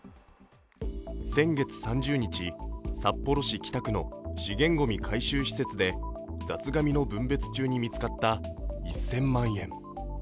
先月３０日、札幌市北区の資源ごみ回収施設で雑がみの分別中に見つかった１０００万円。